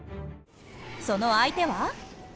その相手は？